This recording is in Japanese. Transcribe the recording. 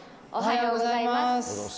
おはようございます。